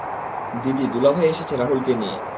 দিদি, দুলাভাই এসেছে রাহুলকে নিয়ে।